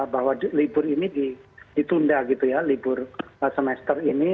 bahwa libur ini ditunda gitu ya libur semester ini